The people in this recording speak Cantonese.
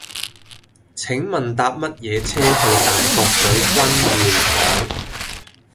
請問搭乜嘢車去大角嘴君匯港